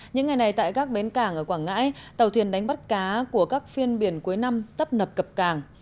những ngày này tại các bến cảng ở quảng ngãi tàu thuyền đánh bắt cá của các phiên biển cuối năm tấp nập cập cảng